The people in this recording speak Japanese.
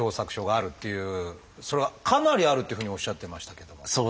それがかなりあるっていうふうにおっしゃってましたけども。